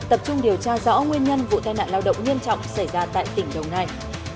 tập trung điều tra rõ nguyên nhân vụ tai nạn lao động nghiêm trọng xảy ra tại tỉnh đồng nai